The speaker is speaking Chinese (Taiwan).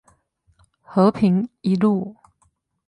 和平一路